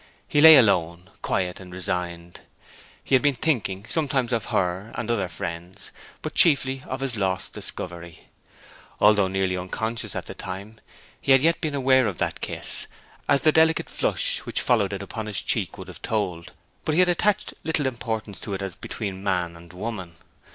He lay alone, quiet and resigned. He had been thinking, sometimes of her and other friends, but chiefly of his lost discovery. Although nearly unconscious at the time, he had yet been aware of that kiss, as the delicate flush which followed it upon his cheek would have told; but he had attached little importance to it as between woman and man.